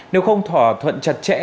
nếu không thỏa thuận chặt chẽ